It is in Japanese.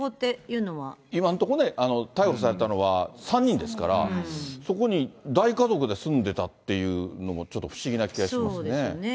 今のところね、逮捕されたのは、３人ですから、そこに大家族で住んでたっていうのも、ちょっと不思議な気もしますね。